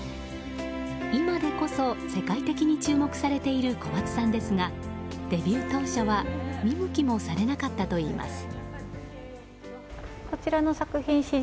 今でこそ世界的に注目されている小松さんですがデビュー当初は見向きもされなかったといいます。